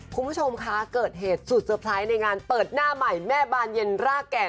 คุณผู้ชมคะเกิดเหตุสุดเตอร์ไพรส์ในงานเปิดหน้าใหม่แม่บานเย็นรากแก่น